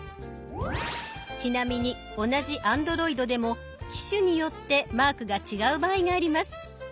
ちなみに同じＡｎｄｒｏｉｄでも機種によってマークが違う場合があります。